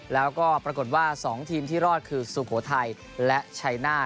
แล้วก็ปรากฏว่า๒ทีมที่รอดคือสุโขทัยและชัยหน้า